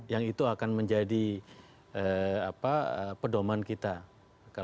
yang itu akan menjadi pedoman kita